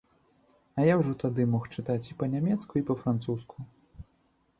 А я ўжо тады мог чытаць і па-нямецку, і па-французску.